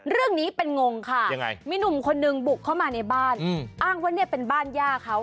เรื่องนี้เป็นงงค่ะมีหนึ่งคนนึงบุกเข้ามาในบ้านอ้างว่าเป็นบ้านหญ้าเขา